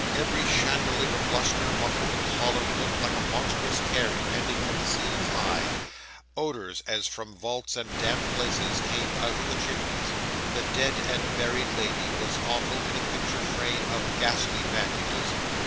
Every chandelier or lustre, muffled in holland, looked like a monstrous tear depending from the ceiling's eye. Odours, as from vaults and damp places, came out of the chimneys. The dead and buried lady was awful in a picture frame of ghastly bandages.